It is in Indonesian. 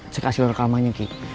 cek hasil rekamannya ki